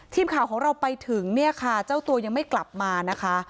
ทีมข่าวของเราไปถึงเนี่ยค่ะเจ้าตัวยังไม่กลับมานะคะ